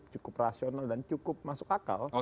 dan cukup rasional dan cukup masuk akal